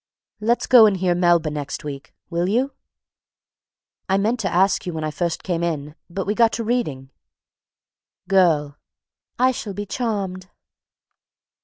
_) "Let's go and hear Melba next week, will you? I meant to ask you when I first came in, but we got to reading." GIRL. "I shall be charmed."